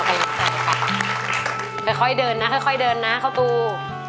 ค่อยเดินนะค่อยเดินนะเข้าตู